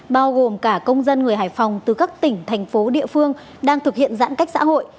bao gồm cả công dân người hải phòng từ các tỉnh thành phố địa phương đang thực hiện giãn cách xã hội